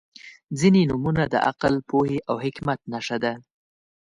• ځینې نومونه د عقل، پوهې او حکمت نښه ده.